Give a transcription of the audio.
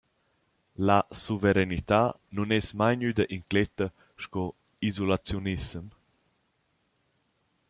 La suveranità nun es mai gnüda incletta sco isolaziunissem.